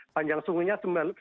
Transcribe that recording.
panjang sungainya sembilan belas